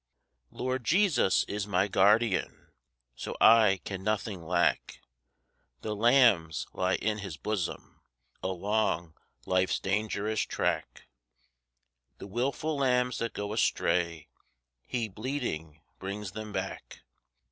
Lord Jesus is my Guardian, So I can nothing lack; The lambs lie in His bosom Along life's dangerous track: The wilful lambs that go astray He, bleeding, brings them back.